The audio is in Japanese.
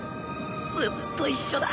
ずっと一緒だ。